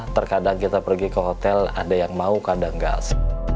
terkadang kita pergi ke hotel ada yang mau kadang gas